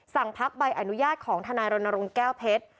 สั่งพักใบอนุญาตของทนายรณรงค์แก้วเพชร